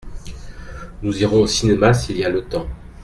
Nous irons au cinéma s’il y a le temps.